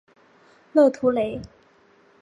勒图雷。